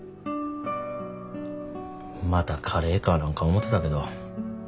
またカレーかなんか思てたけど